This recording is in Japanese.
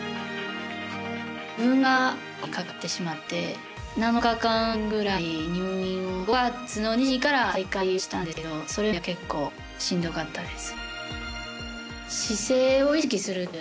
自分がコロナにかかってしまって７日間ぐらい入院をしまして５月の２２から再開はしたんですけどそれまでは結構しんどかったです。